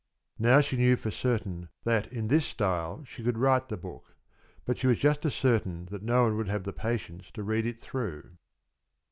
Now she knew for certain that in this style she could write the book; but she was just as certain that no one would have the patience to read it through.